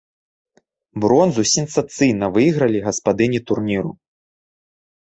Бронзу сенсацыйна выйгралі гаспадыні турніру.